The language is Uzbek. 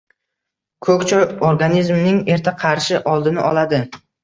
Ko‘k choy organizmning erta qarishi oldini oladi.